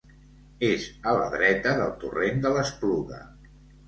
És a la dreta del torrent de l'Espluga.